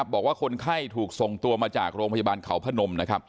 บอกว่าคนไข้ถูกส่งตัวมาจากโรงพยาบาลเขาพนม